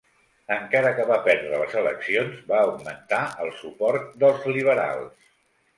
Encara que va perdre les eleccions, va augmentar el suport dels liberals.